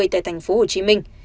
tại thành phố hồ chí minh